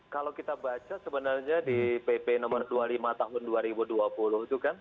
kalau kita baca sebenarnya di pp nomor dua puluh lima tahun dua ribu dua puluh itu kan